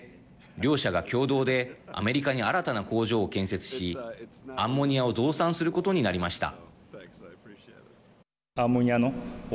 両社が共同でアメリカに新たな工場を建設しアンモニアを増産することになりました。